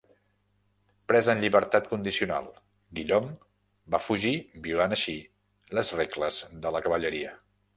Pres en llibertat condicional, Guillaume va fugir violant així les regles de la cavalleria.